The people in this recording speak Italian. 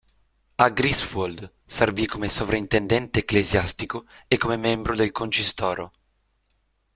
A Greifswald, servì come sovrintendente ecclesiastico e come membro del Concistoro.